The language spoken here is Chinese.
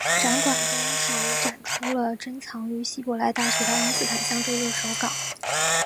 展馆中还展出了珍藏于希伯来大学的爱因斯坦相对论手稿。